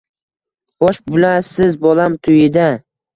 Bosh bulasiz bolam tuyida